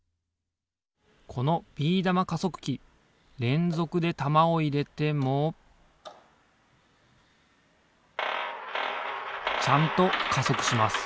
このビー玉加速器れんぞくで玉をいれてもちゃんと加速します